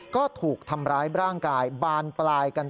ก็ถูกทำร้ายร่างกายบานปลายกัน